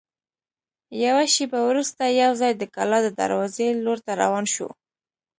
یوه شېبه وروسته یوځای د کلا د دروازې لور ته روان شوو.